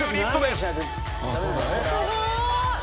すごい！